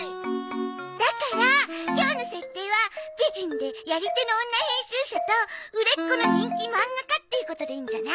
だから今日の設定は美人でやり手の女編集者と売れっ子の人気漫画家っていうことでいいんじゃない？